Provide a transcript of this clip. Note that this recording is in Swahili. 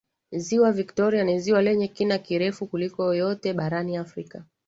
Ziwa Viktoria ni ziwa lenye kina kirefu kuliko yote barani Afrika